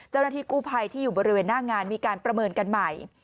เจ้าหน้าที่กู้ภัยที่อยู่บริเวณหน้างานมีการประเมินกันใหม่